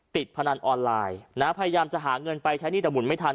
พนันออนไลน์นะพยายามจะหาเงินไปใช้หนี้แต่หมุนไม่ทัน